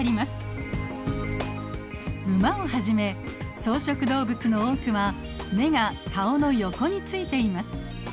ウマをはじめ草食動物の多くは眼が顔の横についています。